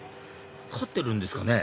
飼ってるんですかね